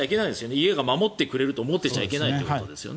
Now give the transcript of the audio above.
家が守ってくれると思っていちゃいけないということですよね。